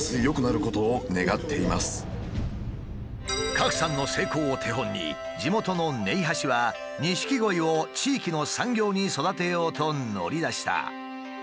郭さんの成功を手本に地元の寧波市は錦鯉を地域の産業に育てようと乗り出した。